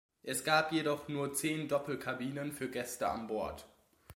Es gab jedoch nur zehn Doppelkabinen für Gäste an Bord.